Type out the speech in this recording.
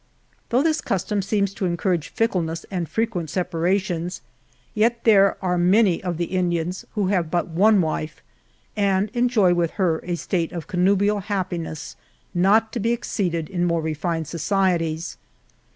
Though this custom seems to encourage fickleness and fre quent separations, yet there are many of the Indians, who have but one wife, and enjoy with her a state of connubial happiness, not to be exceeded in more refined societies.